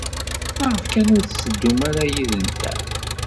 Maɣef kan ur tetteddum ara yid-nteɣ?